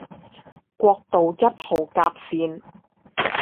國道一號甲線